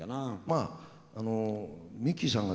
まあミッキーさんがですね